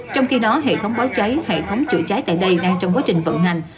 trong khi đó hệ thống báo cháy hệ thống chữa cháy tại đây đang trong quá trình vận hành